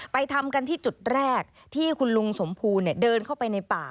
ทำกันที่จุดแรกที่คุณลุงสมภูเดินเข้าไปในป่า